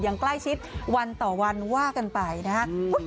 อย่างใกล้ชิดวันต่อวันว่ากันไปนะครับ